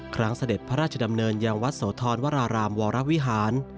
เสด็จพระราชดำเนินยังวัดโสธรวรารามวรวิหาร